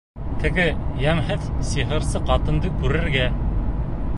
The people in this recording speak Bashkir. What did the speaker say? Теге йәмһеҙ сихырсы ҡатынды күрергә.